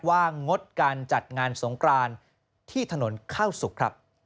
งดการจัดงานสงกรานที่ถนนข้าวสุกครับ